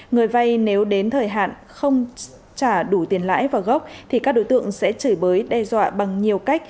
người vay nếu đến thời hạn không trả đủ tiền lãi vào gốc thì các đối tượng sẽ chửi bới đe dọa